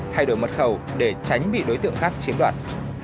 thay đổi mật khẩu để tránh bị đối tượng khác chiếm đoạt